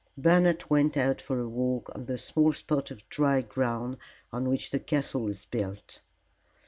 Bernard went out for a walk on the small spot of dry ground on which the castle is built.